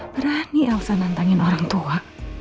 berani elsa nantangin orang tua